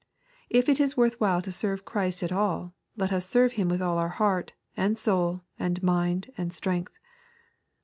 If it is worth while to serve Christ at all, let us serve Him with all oui heart, and soul, and mind and strength.